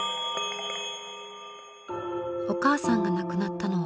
お母さんが亡くなったのは亞